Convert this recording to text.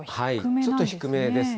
ちょっと低めですね。